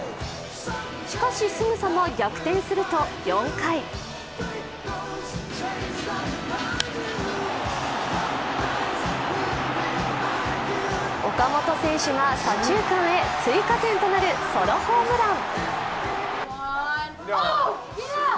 しかし、すぐさま逆転すると４回岡本選手が左中間へ追加点となるソロホームラン。